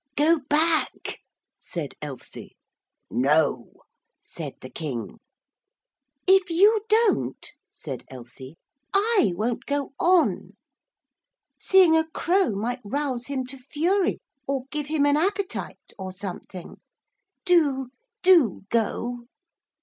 'Go back!' said Elsie. 'No,' said the King. 'If you don't,' said Elsie, 'I won't go on. Seeing a crow might rouse him to fury, or give him an appetite, or something. Do do go!'